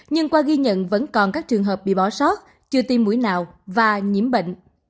nhưng qua ghi nhận vẫn còn các trường hợp bị bỏ sót chưa tiêm mũi nào và nhiễm bệnh